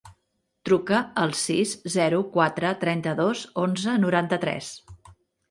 Truca al sis, zero, quatre, trenta-dos, onze, noranta-tres.